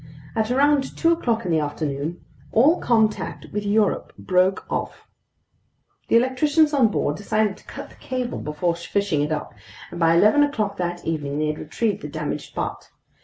At around two o'clock in the afternoon, all contact with Europe broke off. The electricians on board decided to cut the cable before fishing it up, and by eleven o'clock that evening they had retrieved the damaged part.